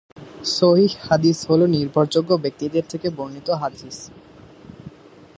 সহীহ হাদীস হল নির্ভরযোগ্য ব্যক্তিদের থেকে বর্ণিত হাদীস।